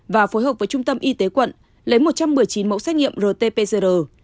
và phối hợp với trung tâm y tế quận lấy một trăm một mươi chín mẫu xét nghiệm rt pcr